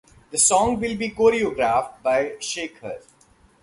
The song will be choreographed by Sekhar.